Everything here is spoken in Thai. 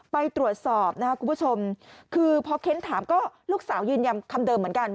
ไปตรวจสอบนะครับคุณผู้ชมคือพอเค้นถามก็ลูกสาวยืนยันคำเดิมเหมือนกัน